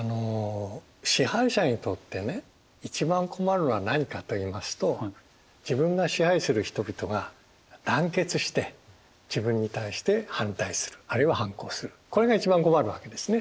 支配者にとってね一番困るのは何かと言いますと自分が支配する人々が団結して自分に対して反対するあるいは反抗するこれが一番困るわけですね。